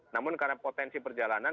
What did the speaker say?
namun karena potensi perjalanan